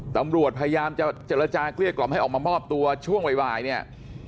ตำรวจพยายามจะเจรจาเกลี้ยกล่อมให้ออกมามอบตัวช่วงบ่ายเนี่ย